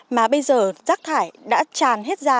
mà bây giờ rác thải đã tràn hết ra